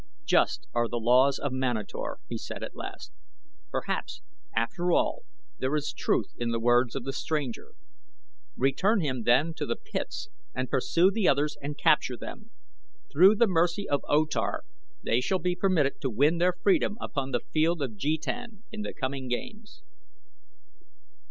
"Just are the laws of Manator," he said at last. "Perhaps, after all, there is truth in the words of the stranger. Return him then to the pits and pursue the others and capture them. Through the mercy of O Tar they shall be permitted to win their freedom upon the Field of Jetan, in the coming games."